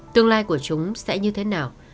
tương lai của chúng sẽ như thế nào